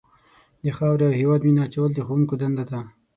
د خاورې او هېواد مینه اچول د ښوونکو دنده ده.